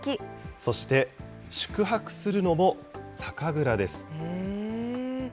そして、宿泊するのも酒蔵です。